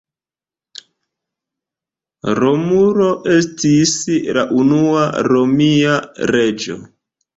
Romulo estis la unua Romia reĝo.